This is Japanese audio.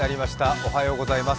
おはようございます。